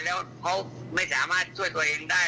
แล้วเขาไม่สามารถช่วยตัวเองได้